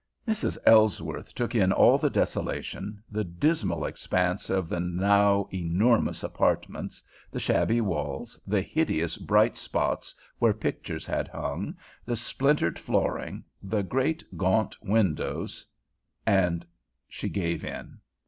Mrs. Ellsworth took in all the desolation, the dismal expanse of the now enormous apartments, the shabby walls, the hideous bright spots where pictures had hung, the splintered flooring, the great, gaunt windows—and she gave in.